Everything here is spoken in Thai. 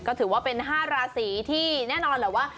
ก็ถือว่าเป็น๕ราศีที่แน่นอนแหละว่า